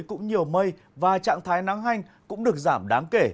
cũng nhiều mây và trạng thái nắng hanh cũng được giảm đáng kể